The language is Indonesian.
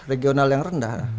regional yang rendah